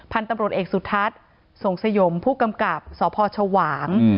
พันธุ์ตำรวจเอกสุทัศน์ส่งสยมผู้กำกับสพชวาง